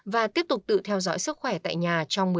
và tiếp tục tự theo dõi sức khỏe tại nhà